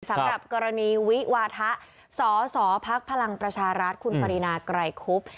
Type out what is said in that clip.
สำหรับกรณีวิวาทะสสพลังประชารัฐคุณปรินาไกรคุบ